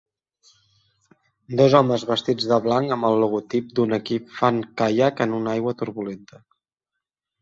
Dos homes vestits de blanc amb el logotip d'un equip fan caiac en aigua turbulenta.